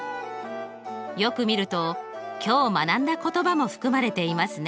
よく見ると今日学んだ言葉も含まれていますね！